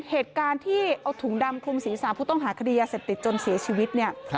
เหตุการณ์ที่เอาถุงดำคลุมศีรษะผู้ต้องหาคดียาเสพติดจนเสียชีวิตเนี่ย